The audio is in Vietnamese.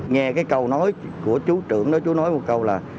nghe cái câu nói của chú trưởng đó chú nói một câu là